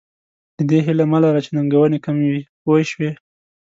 د دې هیله مه لره چې ننګونې کم وي پوه شوې!.